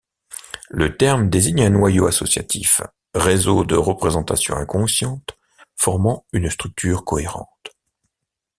Le terme désigne un noyau associatif, réseau de représentations inconscientes formant une structure cohérente.